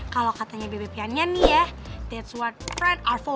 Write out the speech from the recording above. kalau katanya bebe piannya nih ya that's what friends are for